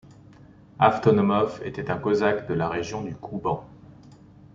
Avtonomov était un Cosaque de la région du Kouban.